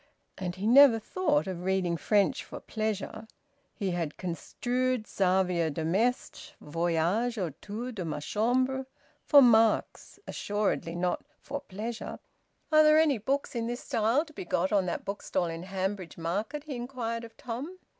And he never thought of reading French for pleasure. He had construed Xavier de Maistre's "Voyage autour de ma Chambre" for marks, assuredly not for pleasure. "Are there any books in this style to be got on that bookstall in Hanbridge Market?" he inquired of Tom.